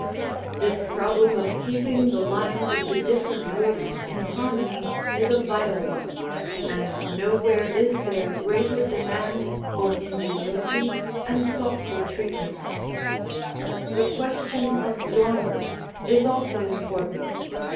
This problem of keeping the lines of the different roofs in harmony is a vital one, and nowhere is there greater demand for ingenuity and thoughtful treatment. The question of dormers is also important.